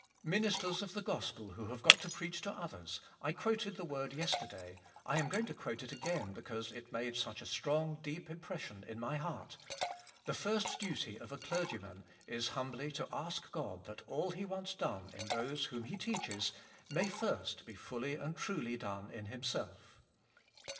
Ministers of the g"ospel who have got to preach to others, I quoted the word yesterday, I am going to quote it ag ain because it made such a strong , deep impression in my heart, "The first duty of aclerg y man is humbly to ask God that all that he wants done in those whom he teaches may first be fully and truly done in himself."